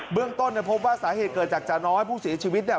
เบื้องต้นเนี้ยพบว่าสาเหตุเกิดจากจานอให้ผู้สีชีวิตแน่